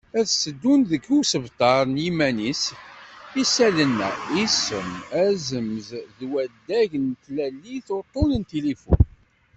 Ad sseddun deg usebter i yiman-is isallen-a: Isem, azemz d wadeg n tlalit, uṭṭun n tilifun.